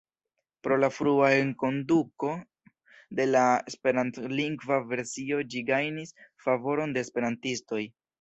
Pro la frua enkonduko de la esperantlingva versio ĝi gajnis favoron de esperantistoj.